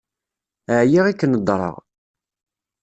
Ԑyiɣ i k-nedṛeɣ.